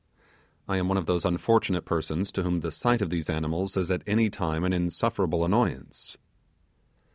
I am one of those unfortunate persons to whom the sight of these animals are, at any time an insufferable annoyance.